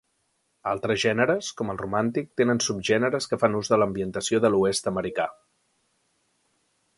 Altres gèneres, com el romàntic, tenen subgèneres que fan ús de l"ambientació de l"Oest americà.